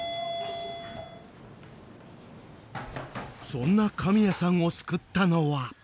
そんな神谷さんを救ったのは。